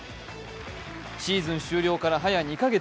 シーズン終了から早２か月。